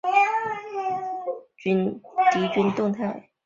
曾在堑壕战中被用来从壕沟观察敌军动态。